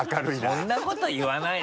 そんなこと言わない。